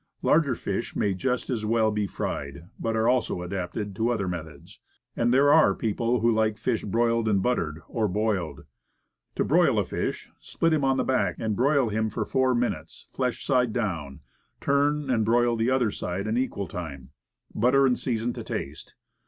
Larger fish may just as well be fried, but are also adapted to other methods, and there are people who like fish broiled and buttered, or boiled. To broil a fish, split him on the back and broil him four minutes, flesh side down, turn and broil the other side an equal time. Butter and season to taste.